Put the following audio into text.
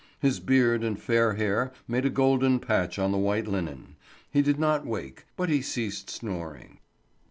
His beard and fair hair made a golden patch on the white linen; he did not wake, but he ceased snoring.